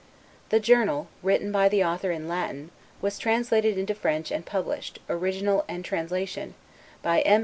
[The Journal, written by the author in Latin, was translated into French and published, original and translation, by M.